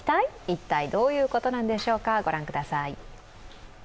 一体、どういうことなんでしょうか御覧ください。